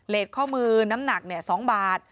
ข้อมือน้ำหนัก๒บาท